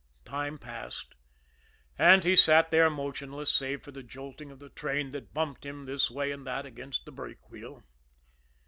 Time passed, and he sat there motionless, save for the jolting of the train that bumped him this way and that against the brake wheel.